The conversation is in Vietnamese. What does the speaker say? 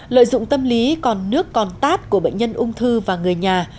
lợi dụng tâm lý còn nước còn tát của bệnh nhân ung thư và người nhà